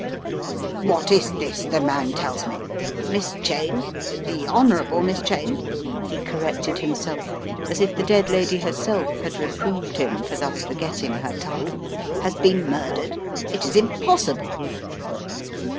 "What is this the man tells me? Miss Cheyne, the Honourable Miss Cheyne," he corrected himself as if the dead lady herself had reproved him for thus forgetting her title, "has been murdered. It is impossible!"